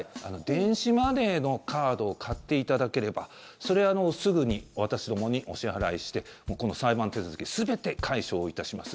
電子マネーのカードを買っていただければそれをすぐに私どもにお支払いしてこの裁判手続き全て解消いたします。